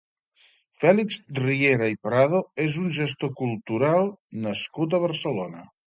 Fèlix Riera i Prado és un gestor cultural nascut a Barcelona.